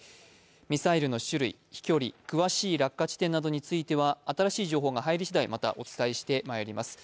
ミサイルの飛距離落下場所については新しい情報が入りしだいまたお伝えしていきます。